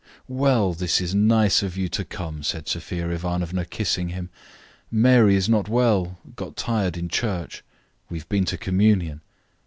"Well, this is nice of you to come," said Sophia Ivanovna, kissing him. "Mary is not well, got tired in church; we have been to communion."